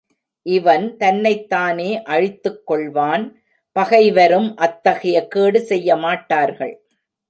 இவன் தன்னைத்தானே அழித்துக்கொள்வான் பகை வரும் அத்தகைய கேடு செய்யமாட்டார்கள்.